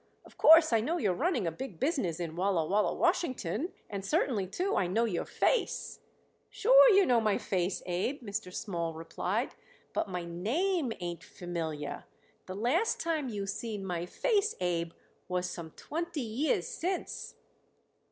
Of course, I know you're running a big business in Walla Walla, Washington, and certainly, too, I know your face." "Sure you know my face, Abe," Mr. Small replied. "But my name ain't familiar. The last time you seen my face, Abe, was some twenty years since."